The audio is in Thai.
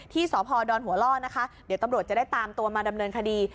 ที่สพดหัวล่อนะคะเดี๋ยวตำรวจจะได้ตามตัวมาดำเนินคดี